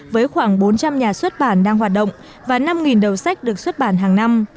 với khoảng bốn trăm linh nhà xuất bản đang hoạt động và năm đầu sách được xuất bản hàng năm